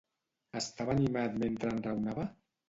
Estava animat mentre enraonava?